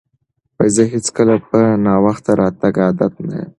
زه هیڅکله په ناوخته راتګ عادت نه یم.